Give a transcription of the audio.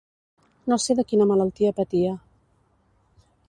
No sé de quina malaltia patia